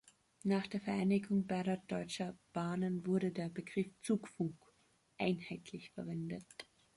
Nach der Vereinigung beider deutscher Bahnen wurde der Begriff "Zugfunk" einheitlich verwendet.